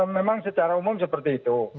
memang secara umum seperti itu